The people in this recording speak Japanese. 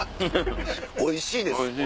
おいしいです。